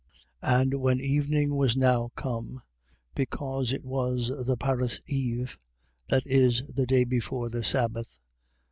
15:42. And when evening was now come (because it was the Parasceve, that is, the day before the sabbath), 15:43.